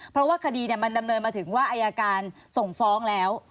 เพราะว่าคดีมันดำเนินมาถึงว่าอายการส่งฟ้องแล้ว